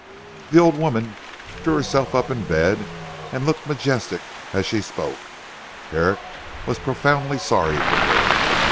The old woman drew herself up in bed, and looked majestic as she spoke. Herrick was profoundly sorry for her.